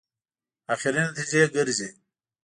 اخري نتیجې ګرځي.